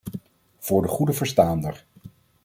Voor de goede verstaander...